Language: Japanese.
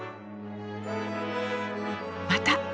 また。